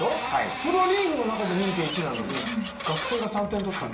プロリーグの中で２．１なのに学生が３点取った。